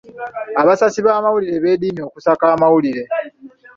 Abasasi b'amawulire beedimye okusaka amawulire.